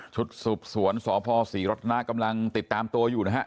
สืบสวนสพศรีรัตนากำลังติดตามตัวอยู่นะฮะ